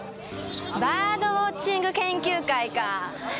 バードウォッチング研究会か。